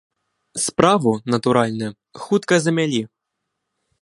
Справу, натуральна, хутка замялі.